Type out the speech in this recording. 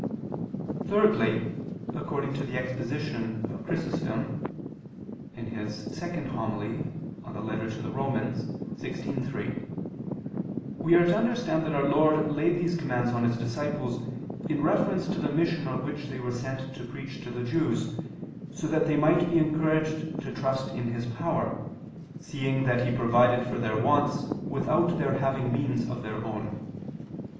Thirdly, according to the exposition of Chrysostom [*Hom. ii in Rom. xvi, 3, we are to understand that our Lord laid these commands on His disciples in reference to the mission on which they were sent to preach to the Jews, so that they might be encouraged to trust in His power, seeing that He provided for their wants without their having means of their own.